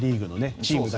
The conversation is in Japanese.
チームで。